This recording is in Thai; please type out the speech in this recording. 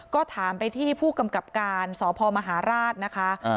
ก็ถามไปที่ผู้กำกับการสพมหาราชนะคะ